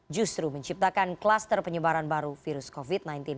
justru menciptakan kluster penyebaran baru virus covid sembilan belas